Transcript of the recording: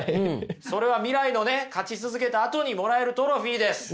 それは未来のね勝ち続けたあとにもらえるトロフィーです。